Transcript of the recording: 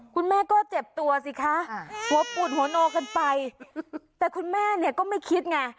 คุณแม่ก็เจ็บตัวสิคะหัวปูดหัวโนกันไปแต่คุณแม่เนี่ยก็ไม่คิดไง